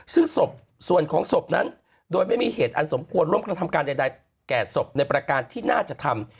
ซึ่งศพส่วนของศพนั้นโดยไม่มีเหตุอันสมควรร่วมกระทำการใดแก่ศพในประการที่น่าจะทำ